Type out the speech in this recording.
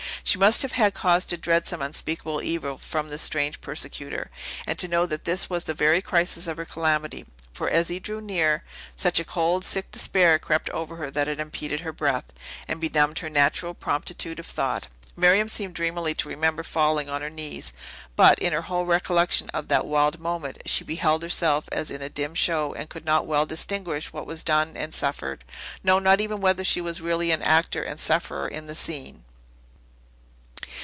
She must have had cause to dread some unspeakable evil from this strange persecutor, and to know that this was the very crisis of her calamity; for as he drew near, such a cold, sick despair crept over her that it impeded her breath, and benumbed her natural promptitude of thought. Miriam seemed dreamily to remember falling on her knees; but, in her whole recollection of that wild moment, she beheld herself as in a dim show, and could not well distinguish what was done and suffered; no, not even whether she were really an actor and sufferer in the scene.